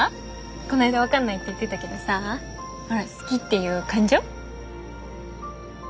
こないだ分かんないって言ってたけどさほら「好き」っていう感情？